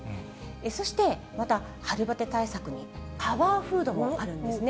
そして、また春バテ対策にパワーフードもあるんですね。